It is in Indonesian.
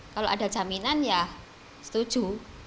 kalau ada jaminan ya setuju